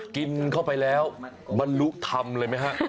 กินเข้าไปแล้วมันรู้ทำเลยไหมคะ